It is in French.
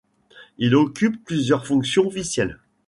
Il occupe plusieurs fonctions officielles.